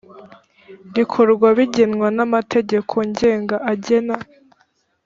rikorwa bigenwa n amategeko ngenga agena